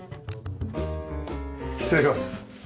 失礼します。